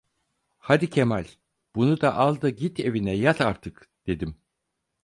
Hadi Kemal, bunu da al da git evine yat artık! dedim.